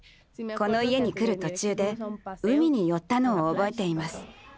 この家に来る途中で海に寄ったのを覚えています。